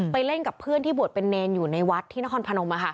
เล่นกับเพื่อนที่บวชเป็นเนรอยู่ในวัดที่นครพนม